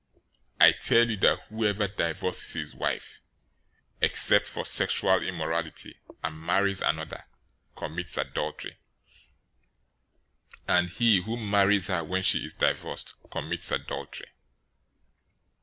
019:009 I tell you that whoever divorces his wife, except for sexual immorality, and marries another, commits adultery; and he who marries her when she is divorced commits adultery."